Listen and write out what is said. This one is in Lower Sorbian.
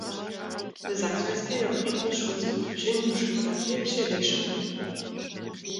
W Saksojskej jo prědny šulski tyźeń juž zasej pśeleśeł.